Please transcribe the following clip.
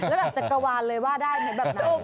ระดับจักรวาลเลยว่าได้เหมือนแบบนั้น